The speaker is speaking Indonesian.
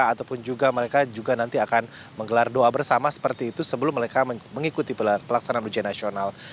ataupun juga mereka juga nanti akan menggelar doa bersama seperti itu sebelum mereka mengikuti pelaksanaan ujian nasional